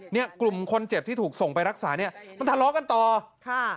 เนี่ยกลุ่มคนเจ็บที่ถูกส่งไปรักษาเนี่ยมันทะเลาะกันต่อค่ะ